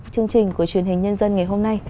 chương trình của truyền hình nhân dân ngày hôm nay